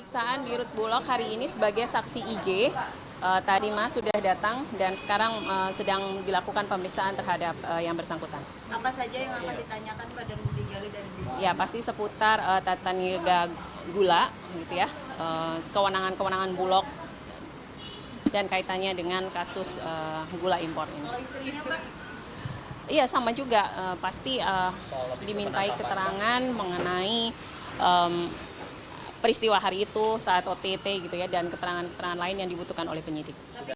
jadi dimintai keterangan mengenai peristiwa hari itu saat ott dan keterangan keterangan lain yang dibutuhkan oleh penyidik